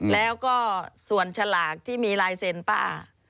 แล้วก็ส่วนฉลากที่มีลายเซ็นต์ป้า